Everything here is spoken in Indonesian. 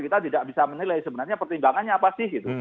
kita tidak bisa menilai sebenarnya pertimbangannya apa sih gitu